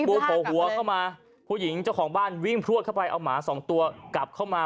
โผล่หัวเข้ามาผู้หญิงเจ้าของบ้านวิ่งพลวดเข้าไปเอาหมาสองตัวกลับเข้ามา